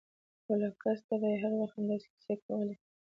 خو له کسته به يې هر وخت همداسې کيسې کولې.